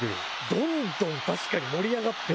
どんどん確かに盛り上がってる。